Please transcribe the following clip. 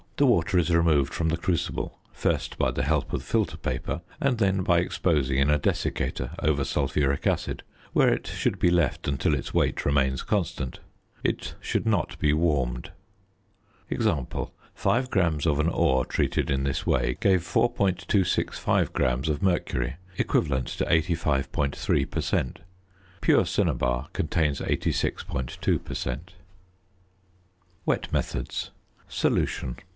The water is removed from the crucible, first by the help of filter paper, and then by exposing in a desiccator over sulphuric acid, where it should be left until its weight remains constant. It should not be warmed. Example: 5 grams of an ore treated in this way gave 4.265 grams of mercury, equivalent to 85.3 per cent. Pure cinnabar contains 86.2 per cent. WET METHODS. _Solution.